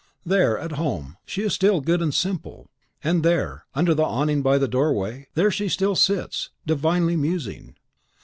There, at home, she is still good and simple; and there, under the awning by the doorway, there she still sits, divinely musing.